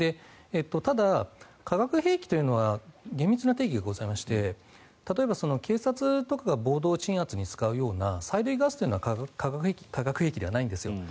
ただ、化学兵器というのは厳密な定義がございまして例えば、警察とかが暴動鎮圧に使うような催涙ガスというのは化学兵器ではないんですよ。